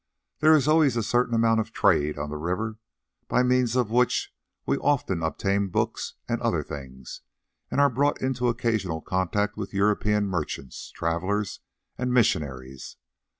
There is always a certain amount of trade on the river, by means of which we often obtain books and other things, and are brought into occasional contact with European merchants, travellers, and missionaries.